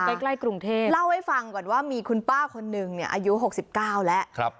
ไปใกล้กรุงเทพเล่าให้ฟังก่อนว่ามีคุณป้าคนนึงอายุหกสิบเก้าแล้ว